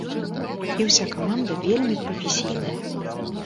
І ўся каманда вельмі прафесійная.